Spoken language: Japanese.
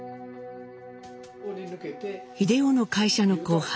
英夫の会社の後輩